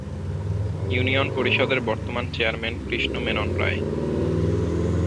Union পরিষদের বর্তমান chairman Krishna Menon রায়।